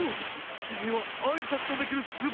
きみはあいさつのできるすばらしいこだ！